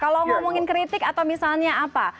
kalau ngomongin kritik atau misalnya apa